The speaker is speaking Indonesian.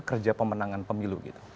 kerja pemenangan pemilu